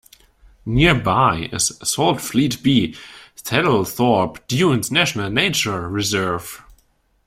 Nearby is Saltfleetby-Theddlethorpe Dunes National Nature Reserve.